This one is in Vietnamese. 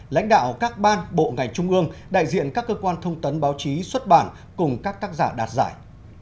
lãnh đạo các ban bộ ngành trung ương đại diện các cơ quan thông tấn báo chí xuất bản cùng các tác giả đạt giải